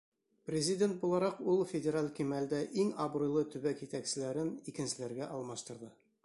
Президент булараҡ ул федераль кимәлдә иң абруйлы төбәк етәкселәрен икенселәргә алмаштырҙы.